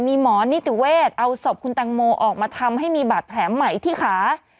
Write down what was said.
มีหมอนิติเวศเอาศพคุณแตงโมออกมาทำให้มีบาดแผลใหม่ที่ขา